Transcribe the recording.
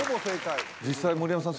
実際盛山さん